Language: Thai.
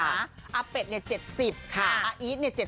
อาเป็ด๗๐อาอีด๗๔